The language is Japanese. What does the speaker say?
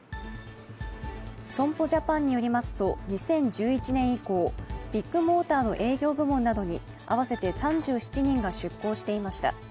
損保ジャパンによりますと２０１１年以降ビッグモーターの営業部門などに合わせて３７人が出向していました。